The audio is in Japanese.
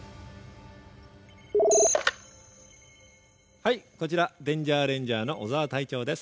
☎はいこちらデンジャーレンジャーの小澤隊長です。